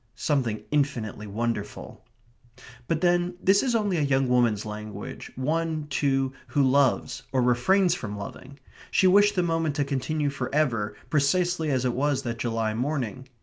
Something infinitely wonderful. But then, this is only a young woman's language, one, too, who loves, or refrains from loving. She wished the moment to continue for ever precisely as it was that July morning.